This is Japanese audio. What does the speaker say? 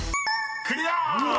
［クリア！］